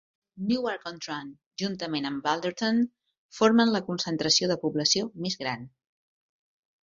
Newark-on-Trent, juntament amb Balderton, formen la concentració de població més gran.